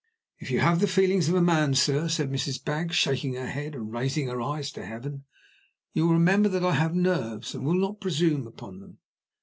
"If you have the feelings of a man, sir," said Mrs. Baggs, shaking her head and raising her eyes to heaven, "you will remember that I have nerves, and will not presume upon them."